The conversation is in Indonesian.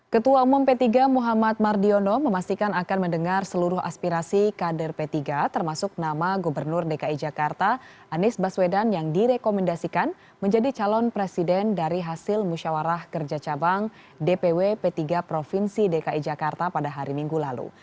ketua umum p tiga muhammad mardiono memastikan akan mendengar seluruh aspirasi kader p tiga termasuk nama gubernur dki jakarta anies baswedan yang direkomendasikan menjadi calon presiden dari hasil musyawarah kerja cabang dpw p tiga provinsi dki jakarta pada hari minggu lalu